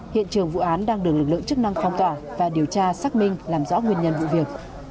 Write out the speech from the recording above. hiện trường vụ án đang được lực lượng chức năng phong tỏa và điều tra xác minh làm rõ nguyên nhân vụ việc